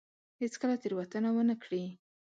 هېڅ کله تېروتنه ونه کړي.